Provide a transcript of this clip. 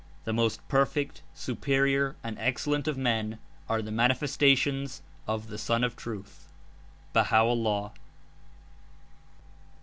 The most per fect, superior and excellent of men are the Manifesta tions of the Sun of Truth.'^ (Baha'o'llah.)